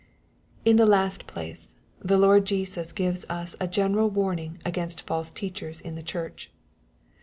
In the last place, the Lord Jesus gives us a general warning against false teachers in the church.